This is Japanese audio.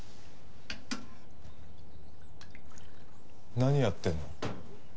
何やってるの？